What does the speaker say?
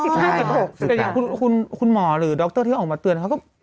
แต่อย่างคุณหมอหรือดรที่ออกมาเตือนเขาก็